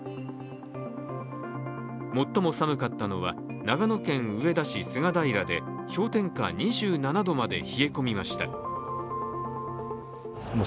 最も寒かったのは長野県上田市菅平で氷点下２７度まで冷え込みました。